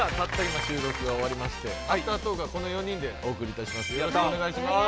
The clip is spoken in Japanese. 今収録が終わりましてアフタートークはこの４人でお送りいたします。